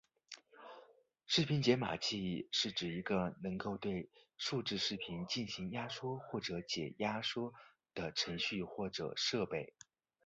视频编解码器是指一个能够对数字视频进行压缩或者解压缩的程序或者设备。